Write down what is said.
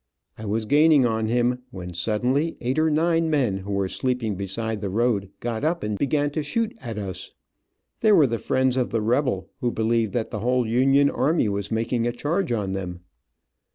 I was gaining on him, when suddenly eight or nine men who were sleeping beside the road, got up and began to shoot at us. They were the friends of the rebel, who believed that the whole Union army was making a charge on them.